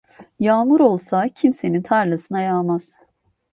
Yağmur olsa kimsenin tarlasına yağmaz.